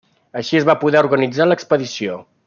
Així es va poder organitzar l'expedició.